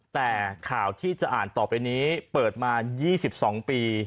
แต่ข่าวที่จะอ่านต่อไปนี้เปิดมา๒๒ปี